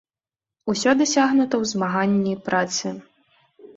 Усё дасягнута ў змаганні і працы.